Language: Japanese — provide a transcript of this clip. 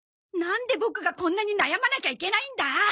なんでボクがこんなに悩まなきゃいけないんだ？